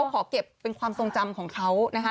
ขอเก็บเป็นความทรงจำของเขานะคะ